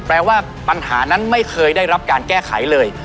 แปลว่าปัญหานั้นไม่เคยได้รับการแก้ไขเลย